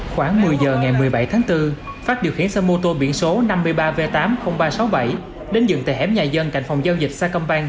khoảng một mươi giờ ngày một mươi bảy tháng bốn phát điều khiển xe mô tô biển số năm mươi ba v tám mươi nghìn ba trăm sáu mươi bảy đến dựng tại hẻm nhà dân cạnh phòng giao dịch sa công banh